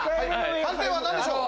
判定は何でしょう？